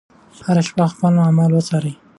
هره شپه خپل اعمال وڅارئ.